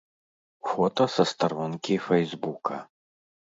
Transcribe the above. Фота са старонкі фэйсбука.